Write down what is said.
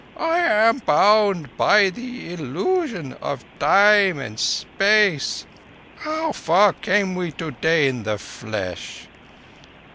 I am bound by the illusion of Time and Space. How far came we today in the flesh?"